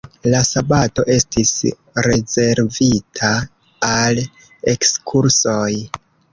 La sabato estis rezervita al ekskursoj.